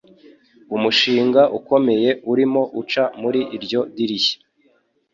Umushinga ukomeye urimo uca muri iryo dirishya.